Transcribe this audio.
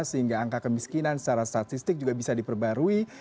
sehingga angka kemiskinan secara statistik juga bisa diperbarui